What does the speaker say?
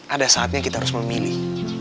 ada saatnya kita harus memilih